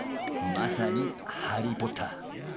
まさにハリー・ポッター。